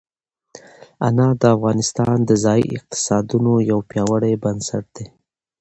انار د افغانستان د ځایي اقتصادونو یو پیاوړی بنسټ دی.